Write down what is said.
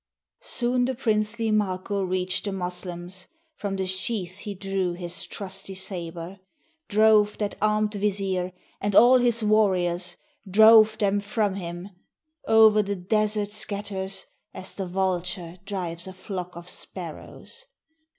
Soon the princely Marko reached the Moslems, From the sheath he drew his trusty saber, Drove that arm'd vizier, and all his warriors — Drove them from him — o'er the desert scatters. As the vulture drives a flock of sparrows.